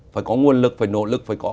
phải có nguồn lực phải nỗ lực